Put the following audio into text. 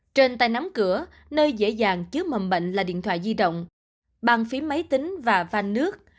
trên tay nắm cửa nơi dễ dàng chứa mầm bệnh là điện thoại di động bằng phí máy tính và van nước